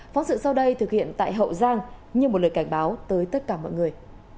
phóng sự sau đây thực hiện tại hậu giang như một lời cảnh báo tới tất cả mọi người